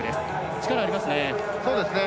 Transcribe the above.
力、ありますね。